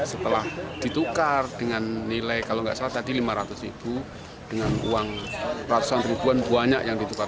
setelah ditukar dengan nilai kalau nggak salah tadi lima ratus ribu dengan uang ratusan ribuan banyak yang ditukar